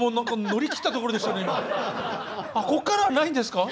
ああこっからはないんですか？